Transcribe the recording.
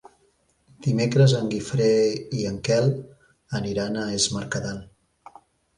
Dimecres en Guifré i en Quel aniran a Es Mercadal.